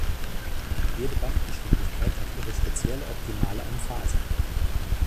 Jede Bandgeschwindigkeit hat ihre spezielle optimale Emphase.